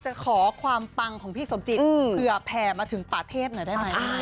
จะขอความปังของพี่สมจิตเผื่อแผ่มาถึงป่าเทพหน่อยได้ไหม